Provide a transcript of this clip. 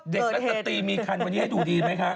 เด็กลักษณ์ตะตีมีคันวันนี้ให้ดูดีไหมคะ